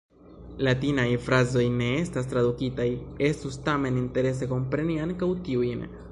Latinaj frazoj ne estas tradukitaj; estus tamen interese kompreni ankaŭ tiujn.